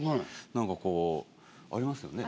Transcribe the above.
何かこうありますよね。